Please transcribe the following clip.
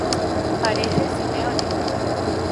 Parece Simeone.